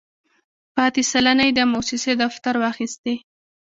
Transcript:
پاتې سلنه یې د موسسې دفتر واخیستې.